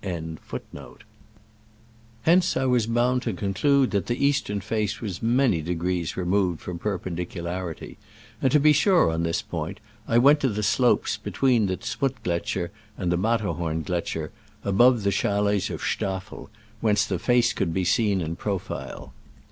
* Hence I was bound to conclude that the eastern face was many degrees removed from perpen dicularity ; and to be sure on this point, I went to the slopes between the Z'Mutt gletscher and the Matterhorngletscher, above the chalets of Staffel, whence the face could be seen in profile.